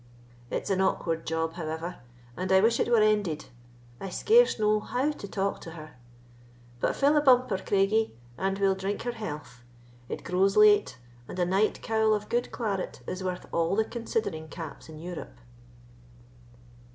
It's an awkward job, however, and I wish it were ended; I scarce know how to talk to her,—but fill a bumper, Craigie, and we'll drink her health. It grows late, and a night cowl of good claret is worth all the considering caps in Europe."